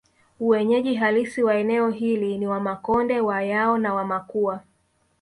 Wanyeji halisi wa eneo hili ni Wamakonde Wayao na Wamakua